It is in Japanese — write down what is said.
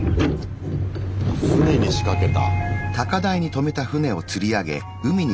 船に仕掛けた。